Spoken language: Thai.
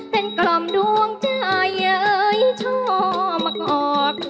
เป็นกล่อมดวงใจชอบมักออก